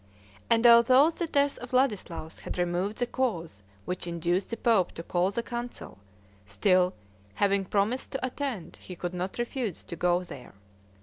And although the death of Ladislaus had removed the cause which induced the pope to call the council, still, having promised to attend, he could not refuse to go there.